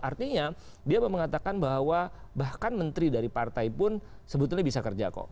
artinya dia mengatakan bahwa bahkan menteri dari partai pun sebetulnya bisa kerja kok